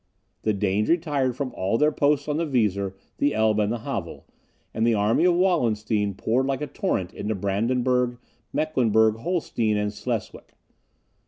The Danes retired from all their posts on the Weser, the Elbe, and the Havel, and the army of Wallenstein poured like a torrent into Brandenburg, Mecklenburg, Holstein and Sleswick.